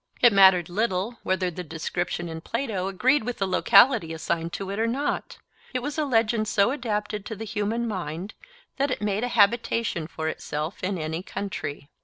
It mattered little whether the description in Plato agreed with the locality assigned to it or not. It was a legend so adapted to the human mind that it made a habitation for itself in any country.